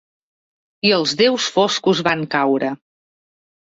I els Déus foscos van caure...